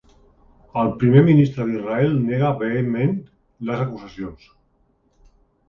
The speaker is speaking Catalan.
El primer ministre d’Israel nega vehementment les acusacions.